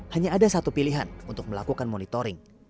hanya ada satu pilihan untuk melakukan monitoring